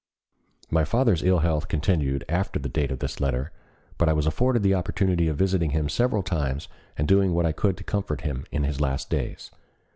My father's ill health continued after the date of this letter, but I was afforded the opportunity of visiting him several times and doing what I could to comfort him in his last days.